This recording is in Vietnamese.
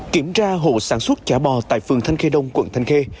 kiểm tra hộ sản xuất chả bò tại phường thanh khê đông quận thanh khê